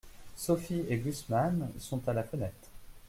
Sophie et Gusman sont à la fenêtre.